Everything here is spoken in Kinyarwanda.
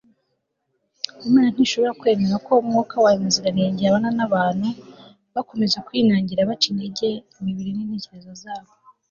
imana ntishobora kwemera ko mwuka wayo muziranenge abana n'abantu bakomeza kwinangira baca intege imibiri n'intekerezo zabo